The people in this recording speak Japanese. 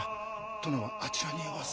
殿はあちらにおわす。